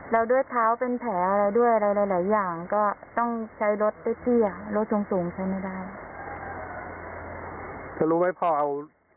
ตอนที่แม่เริ่มป่วยอย่างนี้ก็ต้องเดินทางไปโรงพยาบาลแล้ว